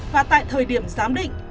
và tại thời điểm giám định